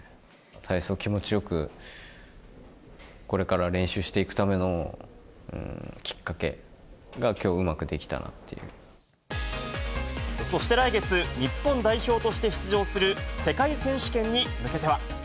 体操を気持ちよくこれから練習していくためのきっかけがきょう、そして来月、日本代表として出場する世界選手権に向けては。